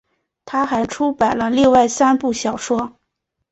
她还出版了另外三部小说。